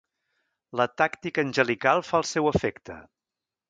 La tàctica angelical fa el seu efecte.